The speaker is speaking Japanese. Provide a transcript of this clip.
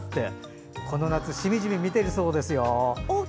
この夏しみじみ見ているそうですよ。